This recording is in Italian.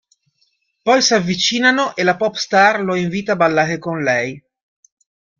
Poi s'avvicinano e la popstar lo invita a ballare con lei.